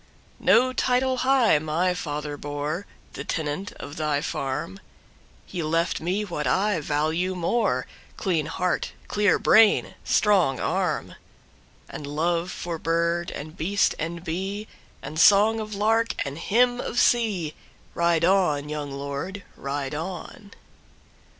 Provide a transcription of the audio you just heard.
No title high my father bore; The tenant of thy farm, He left me what I value more:Clean heart, clear brain, strong armAnd love for bird and beast and beeAnd song of lark and hymn of sea, Ride on, young lord, ride on!